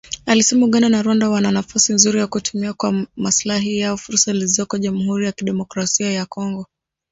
Alisema Uganda na Rwanda wana nafasi nzuri ya kutumia kwa maslahi yao fursa zilizoko Jamuhuri ya kidemokrasia ya kongo